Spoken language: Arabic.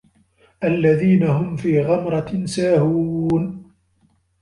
الَّذينَ هُم في غَمرَةٍ ساهونَ